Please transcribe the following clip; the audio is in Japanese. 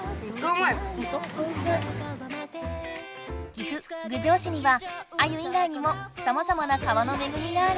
岐阜・郡上市にはアユ以外にもさまざまな川のめぐみがある。